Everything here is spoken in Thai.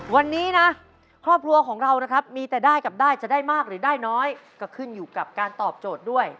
วันนี้นะครอบครัวของเรานะครับมีแต่ได้กับได้จะได้มากหรือได้น้อยก็ขึ้นอยู่กับการตอบโจทย์ด้วย